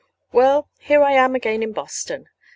Well, here I am again in Boston.